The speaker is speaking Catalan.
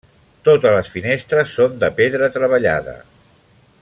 Totes les finestres són de pedra treballada.